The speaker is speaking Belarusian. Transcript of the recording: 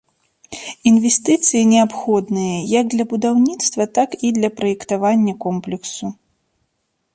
Інвестыцыі неабходныя як для будаўніцтва, так і для праектавання комплексу.